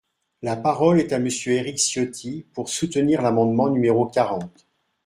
La parole est à Monsieur Éric Ciotti, pour soutenir l’amendement numéro quarante.